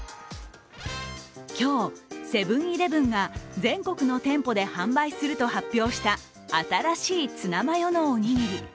今日、セブン−イレブンが全国の店舗で販売すると発表した新しいツナマヨのおにぎり。